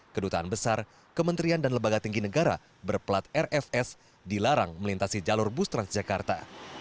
kedutaan besar kementerian dan lembaga tinggi negara berplat rfs dilarang melintasi jalur bus transjakarta